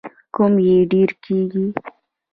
کم یې ډیر کیږي.